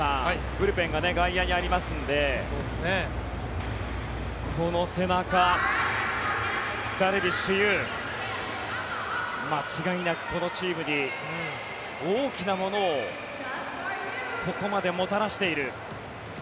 ブルペンが外野にありますのでこの背中、ダルビッシュ有間違いなくこのチームに大きなものをここまでもたらしている。